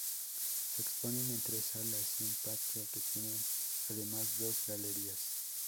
Se exponen en tres salas y un patio que tiene además dos galerías.